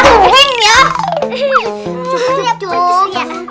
cukup cukup cukup